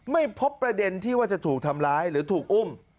ไม่พบประเด็นที่ว่าจะถูกทำร้ายหรือถูกอุ้ม